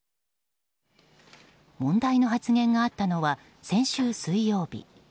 問題の発言があったのは先週水曜日。